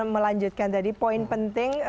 melanjutkan tadi poin penting